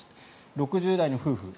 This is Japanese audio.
６０代の夫婦。